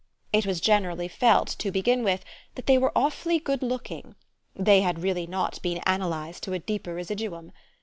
It was generally felt, to begin with, that they were awfully good looking they had really not been analysed to a deeper residuum.